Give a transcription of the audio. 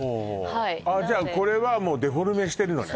じゃあこれはデフォルメしてるのね